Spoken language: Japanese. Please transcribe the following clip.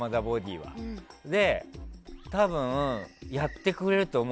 それで多分、やってくれると思う。